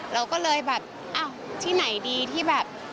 เราก็เลยแบบอ้าวที่ไหนดีที่แบบ